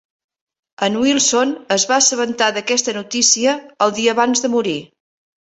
En Wilson es va assabentar d'aquesta notícia el dia abans de morir.